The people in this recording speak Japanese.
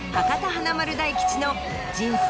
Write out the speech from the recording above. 華丸・大吉の人生